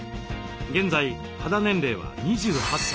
現在肌年齢は２８歳。